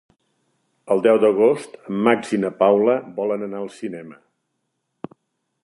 El deu d'agost en Max i na Paula volen anar al cinema.